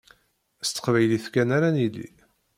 S teqbaylit kan ara nili.